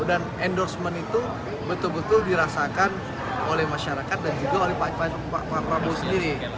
dan endorsement itu betul betul dirasakan oleh masyarakat dan juga oleh pak prabowo sendiri